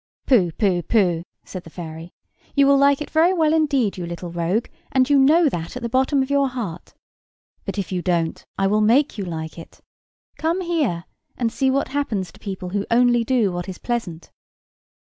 "Pooh! pooh! pooh!" said the fairy. "You will like it very well indeed, you little rogue, and you know that at the bottom of your heart. But if you don't, I will make you like it. Come here, and see what happens to people who do only what is pleasant."